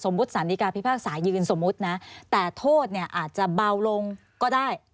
สารดีกาพิพากษายืนสมมุตินะแต่โทษเนี่ยอาจจะเบาลงก็ได้